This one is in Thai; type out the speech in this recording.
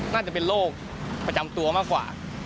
น่าจะเป็นโรคประจำตัวมากกว่า